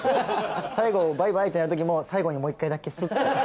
最後バイバイってやる時も最後にもう一回だけスッて。